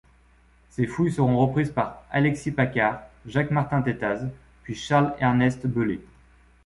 Ses fouilles seront reprises par Alexis Paccard, Jacques Martin Tétaz puis Charles Ernest Beulé.